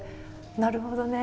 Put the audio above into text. なるほどね。